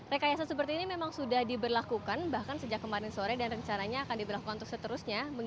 rekayasa seperti ini memang sudah diberlakukan bahkan sejak kemarin sore dan rencananya akan diberlakukan untuk seterusnya